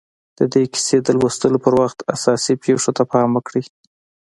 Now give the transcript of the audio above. د دې کيسې د لوستلو پر وخت اساسي پېښو ته پام وکړئ.